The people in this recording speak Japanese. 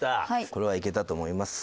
これはいけたと思います。